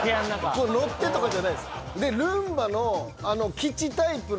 こう乗ってとかじゃないです。